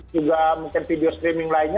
juga mungkin video streaming lainnya